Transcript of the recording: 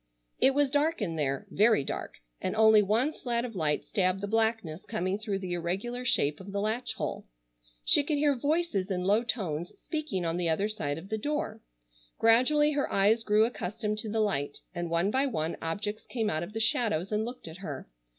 It was dark in there, very dark, and only one slat of light stabbed the blackness coming through the irregular shape of the latch hole. She could hear voices in low tones speaking on the other side of the door. Gradually her eyes grew accustomed to the light and one by one objects came out of the shadows and looked at her.